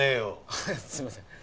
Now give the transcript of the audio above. フフすいません。